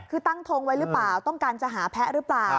คือตั้งทงไว้หรือเปล่าต้องการจะหาแพ้หรือเปล่า